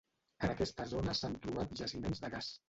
En aquesta zona s'han trobat jaciments de gas.